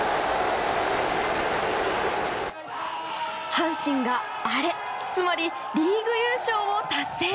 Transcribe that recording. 阪神がアレつまり、リーグ優勝を達成。